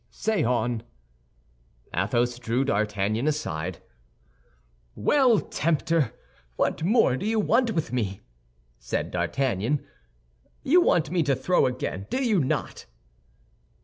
"Say on." Athos drew D'Artagnan aside. "Well, Tempter, what more do you want with me?" said D'Artagnan. "You want me to throw again, do you not?"